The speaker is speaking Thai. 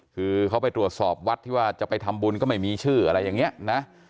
คือเขาไปตรวจสอบวัดที่ว่าจะไปทำบุญก็ไม่มีชื่ออะไรอย่างนี้นะ